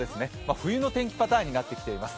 冬の天気パターンになってきています。